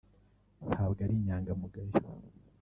ntabwo ari inyangamugayo